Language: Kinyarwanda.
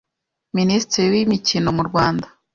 Minisitiri wimikino mu Rwanda